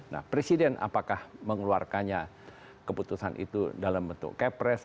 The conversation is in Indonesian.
nah presiden apakah mengeluarkannya keputusan itu dalam bentuk kepres